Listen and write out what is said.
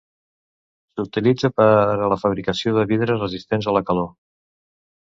S'utilitza per a la fabricació de vidres resistents a la calor.